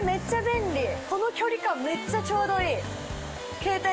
この距離感めっちゃちょうどいい！